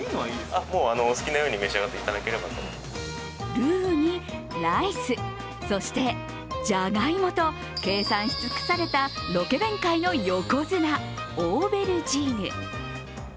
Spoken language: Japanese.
ルーにライス、そしてじゃがいもと、計算し尽くされたロケ弁界の横綱、オーベルジーヌ。